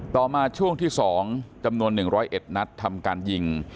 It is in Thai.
ต่อมาช่วงที่๒จำนวน๑๐๑นัดทำการยิง